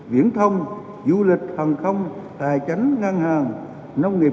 viễn thông du lịch hàng không tài chánh ngăn hàng nông nghiệp